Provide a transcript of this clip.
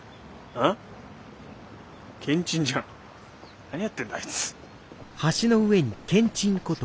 何やってんだあいつ。